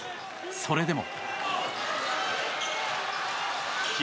それでも。